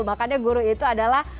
makanya guru itu adalah